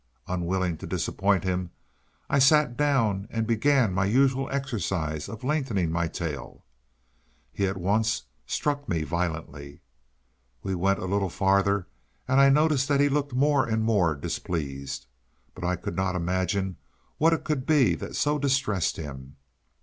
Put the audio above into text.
Unwilling to disappoint him, I sat down and began my usual exercise for lengthening my tail. He at once struck me violently. We went a little farther, and I noticed that he looked more and more displeased; but I could not imagine what it could be that so distressed him.